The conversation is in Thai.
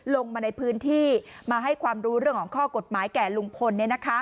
ลงมาในพื้นที่มาให้ความรู้เรื่องของข้อกฎหมายแก่ลุงพล